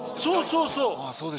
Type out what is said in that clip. そうそうそう。